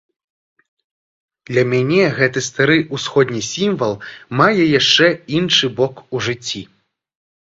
Для мяне гэты стары ўсходні сімвал мае яшчэ іншы бок у жыцці.